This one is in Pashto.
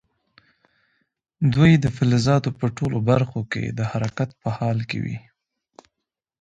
دوی د فلزاتو په ټولو برخو کې د حرکت په حال کې وي.